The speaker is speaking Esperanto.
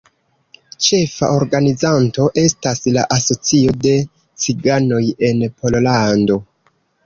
Ĉefa organizanto estas la Asocio de Ciganoj en Pollando.